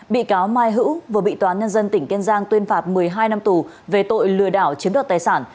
bị cáo mai hữu vừa bị toán nhân dân tỉnh kiên giang tuyên phạt một mươi hai năm tù về tội lừa đảo chiếm đoạt tài sản